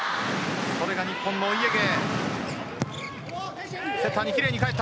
それが日本のお家芸。